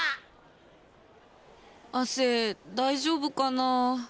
亜生大丈夫かな。